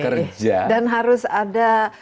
kerja dan harus ada